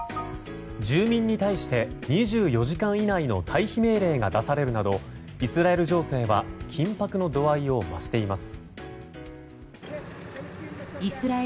住民に対して２４時間以内の退避命令が出されるなどイスラエル情勢は緊迫の度合いを増しています。